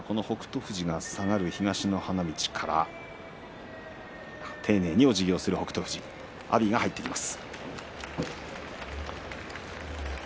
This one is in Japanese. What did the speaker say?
富士下がって東の花道から丁寧におじぎをする北勝富士阿炎が入ってきます。